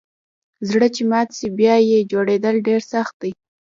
زړه چي مات سي بیا یه جوړیدل ډیر سخت دئ